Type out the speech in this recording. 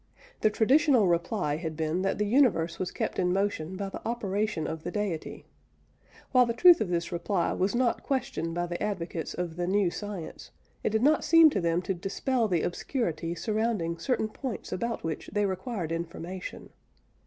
_ The traditional reply had been that the universe was kept in motion by the operation of the Deity. While the truth of this reply was not questioned by the advocates of the "new" science, it did not seem to them to dispel the obscurity surrounding certain points about which they required information.